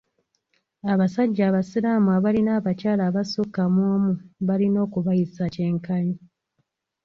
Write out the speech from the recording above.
Abasajja abasiraamu abalina abakyala abasukka mu omu balina okubayisa kyenkanyi.